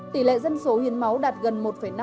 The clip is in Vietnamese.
tỷ lệ dân số hiến máu đạt gần một năm